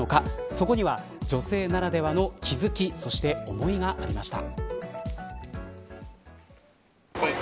そこには女性ならではの気付き、そして思いがありました。